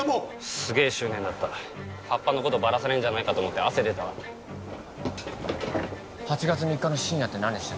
すげえ執念だった葉っぱのことバラされんじゃないかと思って汗出たわ８月３日の深夜って何してた？